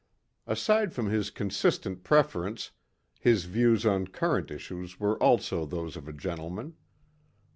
Aside from his consistent preference, his views on current issues were also those of a gentleman.